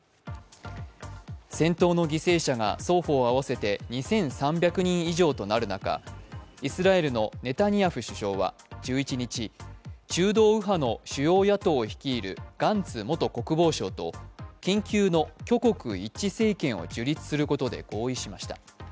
戦闘の犠牲者が双方合わせて２３００人以上となる中、イスラエルのネタニヤフ首相は１１日、中道右派の主要野党を率いるガンツ元国防相と緊急の挙国一致政権を樹立することで合意しました。